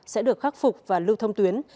sẽ được khắc phục và lưu thông tuyến